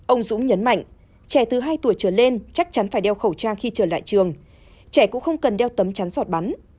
ông dũng nhấn mạnh trẻ từ hai tuổi trở lên chắc chắn phải đeo khẩu trang khi trở lại trường trẻ cũng không cần đeo tấm chắn giọt bắn